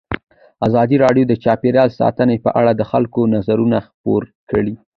ازادي راډیو د چاپیریال ساتنه په اړه د خلکو نظرونه خپاره کړي.